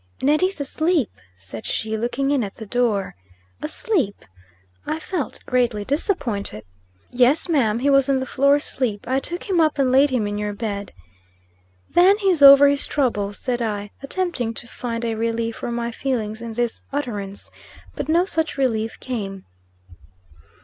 "Neddy's asleep," said she, looking in at the door. "Asleep!" I felt greatly disappointed. "Yes, ma'am. He was on the floor asleep. I took him up, and laid him in your bed." "Then he's over his troubles," said I, attempting to find a relief for my feelings in this utterance. But no such relief came.